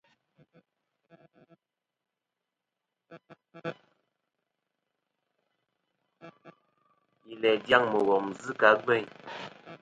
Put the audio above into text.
Yi læ dyaŋ mùghom zɨ kɨ̀ a gveyn.